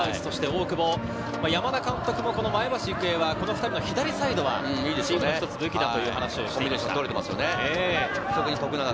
山田監督も前橋育英はこの２人の左サイドは一つ武器だと話をしていました。